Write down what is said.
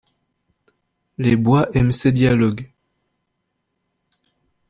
Les bois aiment ces dialogues